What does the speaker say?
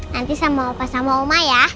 nanti sama opa sama oma ya